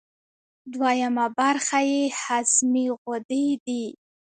دویمه برخه یې هضمي غدې دي.